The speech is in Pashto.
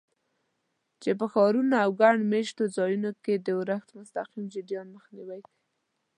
چې په ښارونو او ګڼ مېشتو ځایونو کې د اورښت مستقیم جریان مخنیوی کوي.